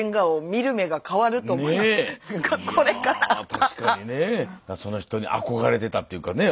いや確かにねその人に憧れてたっていうかね